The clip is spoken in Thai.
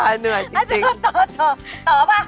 อีกเดือนป่ะ